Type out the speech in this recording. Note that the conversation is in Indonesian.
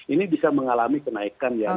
ini bisa mengalami kenaikan yang